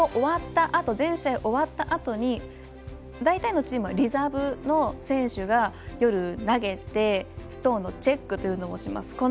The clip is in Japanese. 全試合終わったあとに大体のチームはリザーブの選手が夜、投げてストーンのチェックというのをします。